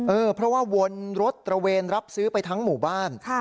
เพราะว่าวนรถตระเวนรับซื้อไปทั้งหมู่บ้าน